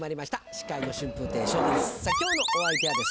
司会の春風亭昇太です